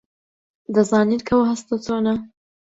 دەزانیت کە ئەو هەستە چۆنە؟